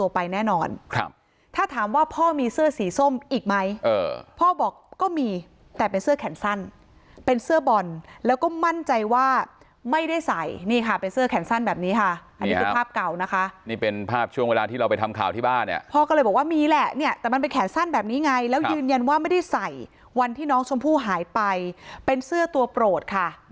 ไปแน่นอนครับถ้าถามว่าพ่อมีเสื้อสีส้มอีกไหมพ่อบอกก็มีแต่เป็นเสื้อแขนสั้นเป็นเสื้อบอลแล้วก็มั่นใจว่าไม่ได้ใส่นี่ค่ะเป็นเสื้อแขนสั้นแบบนี้ค่ะอันนี้คือภาพเก่านะคะนี่เป็นภาพช่วงเวลาที่เราไปทำข่าวที่บ้านเนี่ยพ่อก็เลยบอกว่ามีแหละเนี่ยแต่มันเป็นแขนสั้นแบบนี้ไงแล้วยืนยันว่าไม่ได้ใส่วันที่น้องชมพู่หายไปเป็นเสื้อตัวโปรดค่ะ